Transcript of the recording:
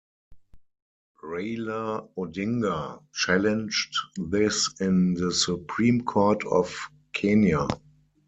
Raila Odinga challenged this in the Supreme Court of Kenya.